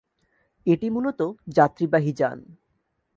এটি মূলত যাত্রীবাহী যান।